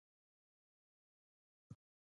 ایا دا تیږه په عملیات وځي؟